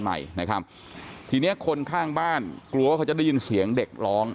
ใหม่นะครับทีเนี้ยคนข้างบ้านกลัวว่าเขาจะได้ยินเสียงเด็กร้อง